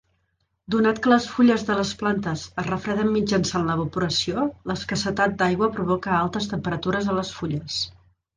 Donat que les fulles de les plantes es refreden mitjançant l"evaporació, l"escassetat d'aigua provoca altes temperatures a les fulles.